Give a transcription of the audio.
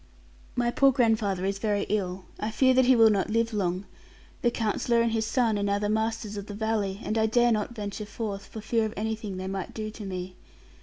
'My poor grandfather is very ill: I fear that he will not live long. The Counsellor and his son are now the masters of the valley; and I dare not venture forth, for fear of anything they might do to me.